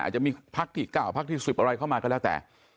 จะมีพักที่๙พักที่๑๐อะไรเข้ามาก็แล้วแต่